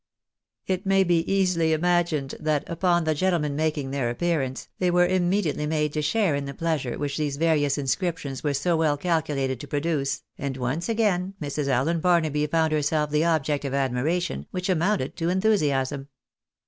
It may easily be imagined that, upon the gentlemen making their appearance, they were immediately made to share in the pleasure which these various inscriptions were so well calculated to produce, and once again Mrs. Allen Barnaby found herself the object of admiration which amounted to enthusiasm.